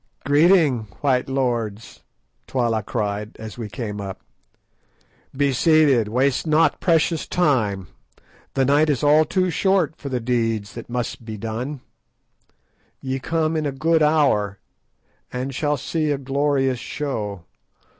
"Greeting, white lords," Twala cried, as we came up; "be seated, waste not precious time—the night is all too short for the deeds that must be done. Ye come in a good hour, and shall see a glorious show.